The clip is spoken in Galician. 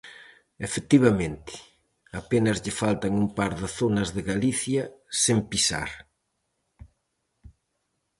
Efectivamente, apenas lle faltan un par de zonas de Galicia sen pisar.